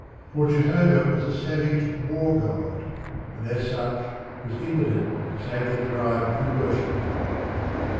For Jehovah was a savage war god, and, as such, was impotent to save the tribe who worshipped him.